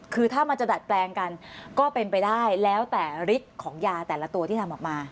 คือถ้ามันจะดัดแปลงกันก็เป็นไปได้แล้วแต่ฤทธิ์ของยาแต่ละตัวที่ทำออกมา